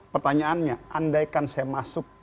pertanyaannya andaikan saya masuk